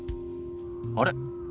あれ？